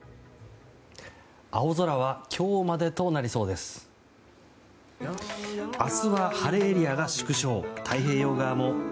青空は今日までとなりそうです。